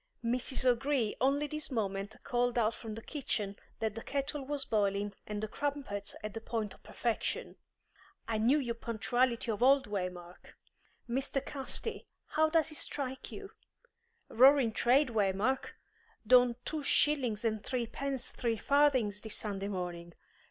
Mrs. O'Gree only this moment called out from the kitchen that the kettle was boiling and the crumpets at the point of perfection! I knew your punctuality of old, Waymark. Mr. Casti, how does it strike you? Roaring trade, Waymark! Done two shillings and threepence three farthings this Sunday morning.